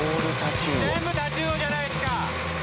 全部タチウオじゃないですか！